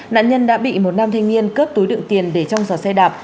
nạn nhân đã bị một nam thanh niên cướp túi đựng tiền để trong giò xe đạp